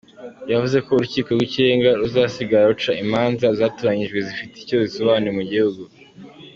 Yavuze ko Urukiko rw’Ikirenga ruzasigara ruca imanza zatoranyijwe zifite icyo zisobanuye ku gihugu.